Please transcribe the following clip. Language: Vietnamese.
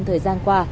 thời gian qua